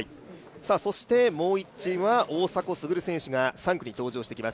そしてもう１チームは大迫傑選手が３区に登場してきます